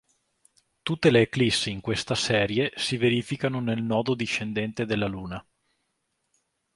Tutte le eclissi in questa serie si verificano nel nodo discendente della Luna.